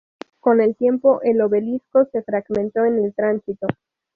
Con el tiempo, el obelisco se fragmentó en el tránsito.